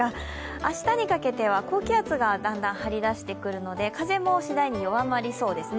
明日にかけては高気圧がだんだん張り出してくるので風も次第に弱まりそうですね。